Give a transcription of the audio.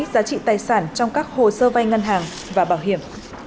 giá trị tài sản trong các hồ sơ vay ngân hàng và bảo hiểm